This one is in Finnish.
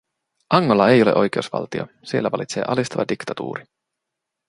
Angola ei ole oikeusvaltio, siellä vallitsee alistava diktatuuri.